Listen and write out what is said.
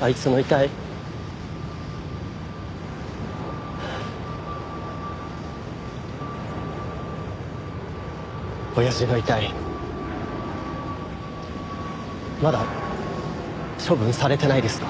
あいつの遺体親父の遺体まだ処分されてないですか？